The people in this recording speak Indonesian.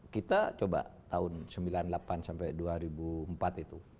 kita coba tahun sembilan puluh delapan sampai dua ribu empat itu